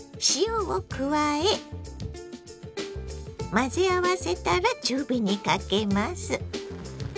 混ぜ合わせたら中火にかけます。